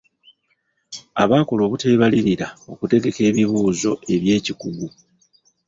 Abaakola obuteebalirira okutegeka ebibuuzo eby’ekikugu.